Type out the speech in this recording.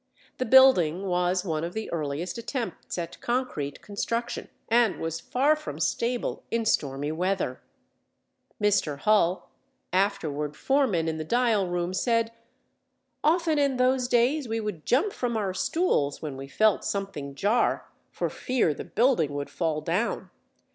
The building was one of the earliest attempts at concrete construction, and was far from stable in stormy weather. Mr. Hull, afterward foreman in the dial room, said: "Often in those days we would jump from our stools when we felt something jar, for fear the building would fall down.